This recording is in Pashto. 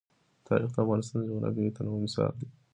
تاریخ د افغانستان د جغرافیوي تنوع مثال دی.